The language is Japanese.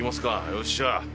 よっしゃ。